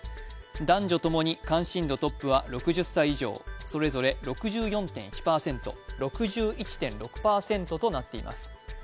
男女共に関心度トップは６０歳以上、それぞれ６４．１％、６１．１％となっています。